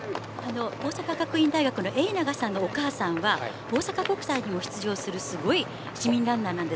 大阪学院大学の永長さんのお母さんは大阪国際にも出場するすごい市民ランナーなんです。